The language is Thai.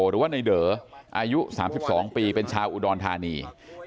หรือว่าในเด๋ออายุ๓๒ปีเป็นชาวอุดรธานี